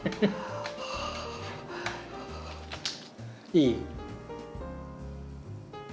いい？